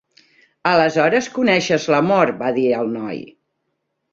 "Aleshores coneixes l'amor" va dir el noi.